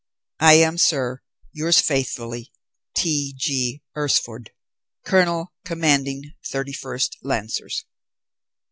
I am, sir, yours faithfully, "T. G. URSFORD, "Colonel commanding 31st Lancers."